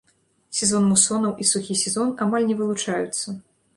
Сезон мусонаў і сухі сезон амаль не вылучаюцца.